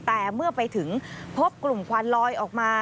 แต่เมื่อไปถึงพบกลุ่มควันลอยออกมา